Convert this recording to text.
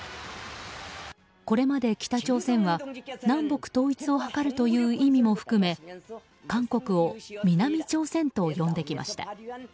これまで北朝鮮は南北統一を図るという意味も含め韓国を南朝鮮と呼んできました。